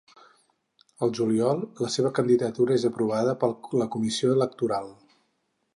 El juliol, la seva candidatura és aprovada per la Comissió Electoral.